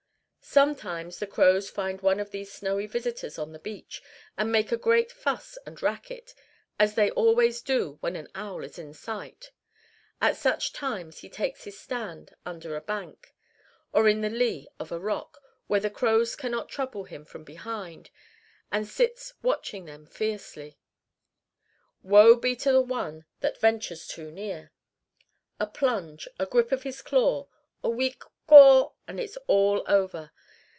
Sometimes the crows find one of these snowy visitors on the beach, and make a great fuss and racket, as they always do when an owl is in sight. At such times he takes his stand under a bank, or in the lee of a rock, where the crows cannot trouble him from behind, and sits watching them fiercely. Woe be to the one that ventures too near. A plunge, a grip of his claw, a weak caw, and it's all over.